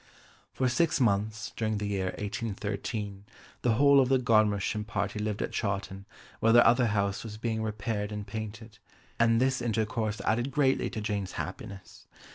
For six months, during the year 1813, the whole of the Godmersham party lived at Chawton, while their other house was being repaired and painted, and this intercourse added greatly to Jane's happiness.